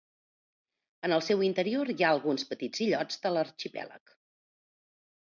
En el seu interior hi ha alguns petits illots de l'arxipèlag.